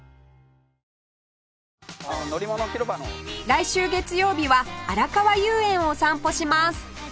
来週月曜日はあらかわ遊園を散歩します